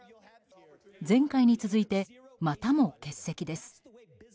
前回に続いて、またも欠席です。